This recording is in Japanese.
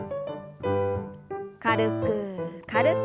軽く軽く。